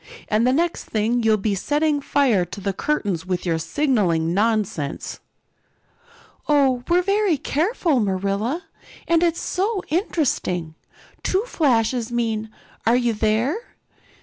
"And the next thing you'll be setting fire to the curtains with your signaling nonsense." "Oh, we're very careful, Marilla. And it's so interesting. Two flashes mean, 'Are you there?